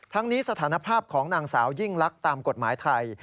ทั้งนี้สถานภาพของนางสาวยิ่งลักษณ์ตามกฎหมายไทย